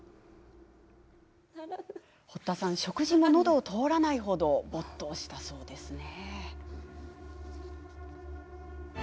食事も、のどを通らない程没頭したそうですね。